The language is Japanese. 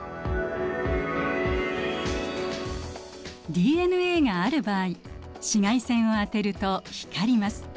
ＤＮＡがある場合紫外線を当てると光ります。